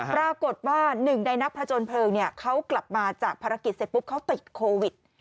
ปรากฏว่าหนึ่งในนักผจญเพลิงเขากลับมาจากภารกิจเสร็จปุ๊บเขาติดโควิด